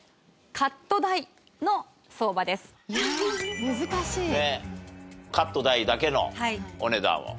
カット代だけのお値段を。